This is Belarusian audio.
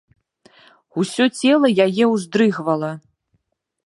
Усё цела яе ўздрыгвала.